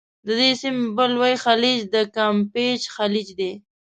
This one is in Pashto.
د دې سیمي بل لوی خلیج د کامپېچ خلیج دی.